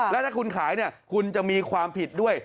แล้วถ้าคุณขายคุณจะมีความผิดด้วย